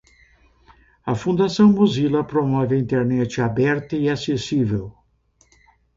A Fundação Mozilla promove a internet aberta e acessível.